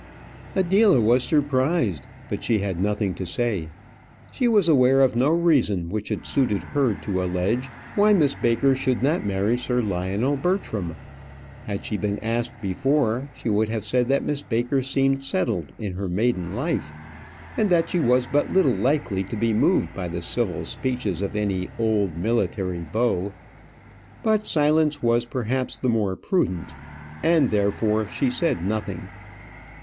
Adela was surprised, but she had nothing to say. She was aware of no reason which it suited her to allege why Miss Baker should not marry Sir Lionel Bertram. Had she been asked before, she would have said that Miss Baker seemed settled in her maiden life; and that she was but little likely to be moved by the civil speeches of an old military beau. But silence was perhaps the more prudent, and, therefore, she said nothing.